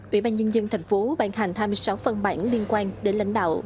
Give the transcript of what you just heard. ủy ban nhân dân thành phố bàn hành hai mươi sáu phần bản liên quan đến lãnh đạo